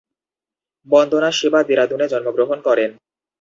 বন্দনা শিবা দেরাদুনে জন্মগ্রহণ করেন।